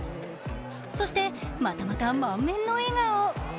そして、またまた満面の笑顔。